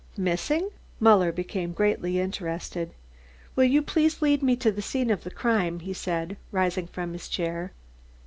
"Missing?" Muller became greatly interested. "Will you please lead me to the scene of the crime?" he said, rising from his chair.